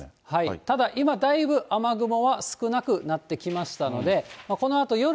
ただ、今、だいぶ雨雲は少なくなってきましたので、このあと、夜